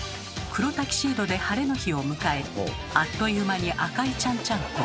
黒タキシードでハレの日を迎えあっという間に赤いちゃんちゃんこ。